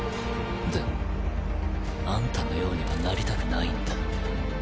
でもあんたのようにはなりたくないんだ。